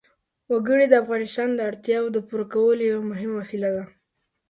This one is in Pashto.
وګړي د افغانانو د اړتیاوو د پوره کولو یوه مهمه وسیله ده.